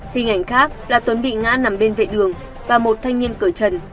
hình ảnh khác là tuấn bị ngã nằm bên vệ đường và một thanh niên cởi chân